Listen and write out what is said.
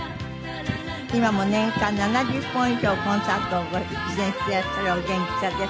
今も年間７０本以上コンサートをご出演していらっしゃるお元気さです。